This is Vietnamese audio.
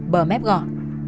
bờ mép gọn